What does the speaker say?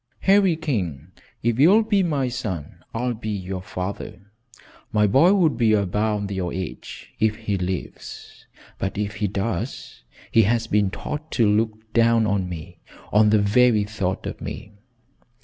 "Harry King, if you'll be my son, I'll be your father. My boy would be about your age if he lives, but if he does, he has been taught to look down on me on the very thought of me."